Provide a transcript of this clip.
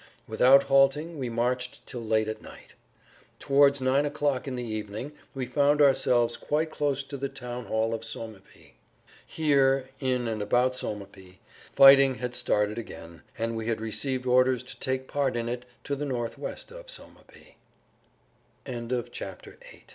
Without halting we marched till late at night. Towards nine o'clock in the evening we found ourselves quite close to the town hall of Sommepy. Here, in and about Sommepy, fighting had started again, and we had received orders to take part in it to the northwest of Sommepy. [Pg 65] IX SOL